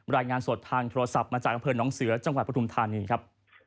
รายงานสดทางโทรศัพท์มาจากอำเภอน้องเสือจังหวัดปฐุมธานีครับ